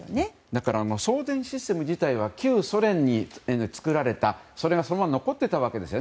だから送電システム自体は旧ソ連で作られてそれがそのまま残っていたわけです。